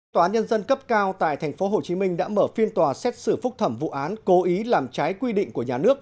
tòa nhân dân cấp cao tại tp hcm đã mở phiên tòa xét xử phúc thẩm vụ án cố ý làm trái quy định của nhà nước